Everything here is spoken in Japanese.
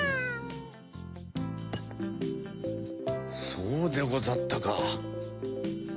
そうでござったか。